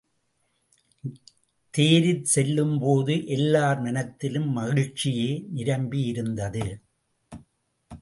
தேரில் செல்லும்போது எல்லார் மனத்திலும் மகிழ்ச்சியே நிரம்பியிருந்தது.